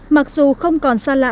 mặc dù không còn xa lạ